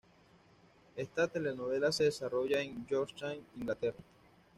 Esta telenovela se desarrolla en Yorkshire, Inglaterra.